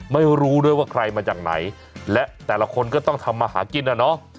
ไม่รู้ด้วยว่าใครมาจากไหนและแต่ละคนก็ต้องทำมาหากินอ่ะเนาะ